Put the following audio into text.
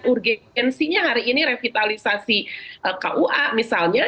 urgensinya hari ini revitalisasi kua misalnya